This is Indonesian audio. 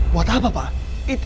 buat apa pak